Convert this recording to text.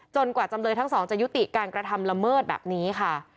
กว่าจำเลยทั้งสองจะยุติการกระทำละเมิดแบบนี้ค่ะ